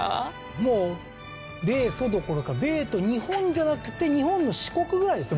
もう米ソどころか米と日本じゃなくて日本の四国ぐらいですよ